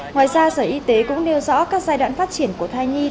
ngoài ra sở y tế cũng nêu rõ các giai đoạn phát triển của thai nhi